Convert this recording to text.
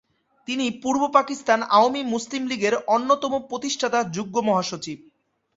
তিনি পূর্ব পাকিস্তান আওয়ামী মুসলিম লীগের অন্যতম প্রতিষ্ঠাতা যুগ্ম মহাসচিব।